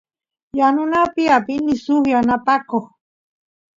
yanunapi apini suk yanapakoq